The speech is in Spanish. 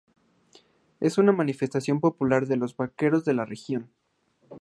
Es una manifestación popular de los vaqueros de la región.